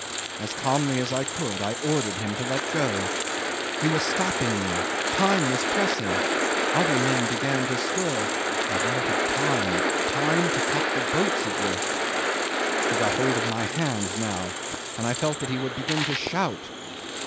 As calmly as I could I ordered him to let go. He was stopping me, time was pressing, other men began to stir; I wanted time time to cut the boats adrift. He got hold of my hand now, and I felt that he would begin to shout.